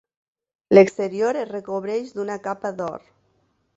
L'exterior es recobreix d'una capa d'or.